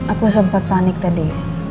aku sempat panik tadi